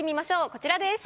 こちらです。